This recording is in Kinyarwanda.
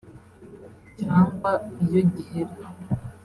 cyangwa “iyo gihera”